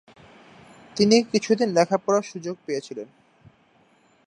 তিনি কিছুদিন লেখাপড়ার সুযোগ পেয়েছিলেন।